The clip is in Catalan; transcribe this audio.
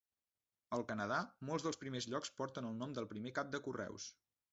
Al Canadà, molts dels primers llocs porten el nom del primer cap de correus.